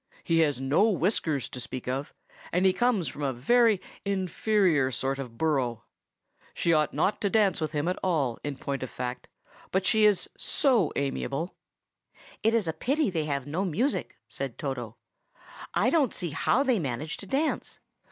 He has no whiskers to speak of, and he comes from a very inferior sort of burrow. She ought not to dance with him at all, in point of fact, but she is so amiable!" "It is a pity they have no music," said Toto. "I don't see how they manage to dance.